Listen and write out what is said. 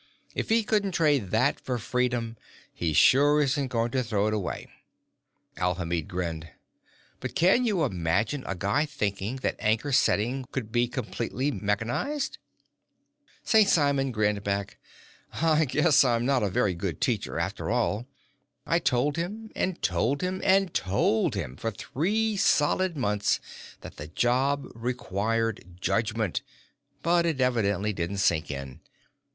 If he couldn't trade that for freedom, he sure isn't going to throw it away." Alhamid grinned. "But can you imagine a guy thinking that anchor setting could be completely mechanized?" St. Simon grinned back. "I guess I'm not a very good teacher after all. I told him and told him and told him for three solid months that the job required judgment, but it evidently didn't sink in.